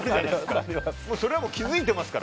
それはもう気づいてますから。